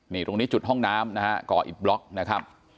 นี่ตรงนี้จุดห้องน้ำนะฮะก่ออิดบล็อกนะครับ